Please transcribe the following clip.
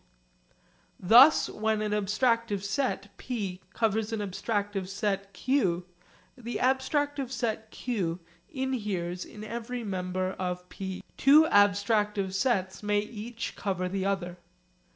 Thus when an abstractive set p covers an abstractive set q, the abstractive set q inheres in every member of p. Two abstractive sets may each cover the other.